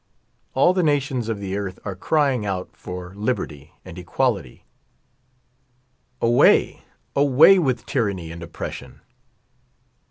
All (h« nations of the earth are crying out for lib «Ttv nnd t^uAJity. Away, away with tyranny and op pr. M iion